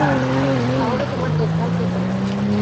তাহলে তোমার দেখভাল কে করে?